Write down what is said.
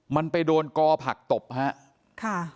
มันไปโดนกอผักตบฮะ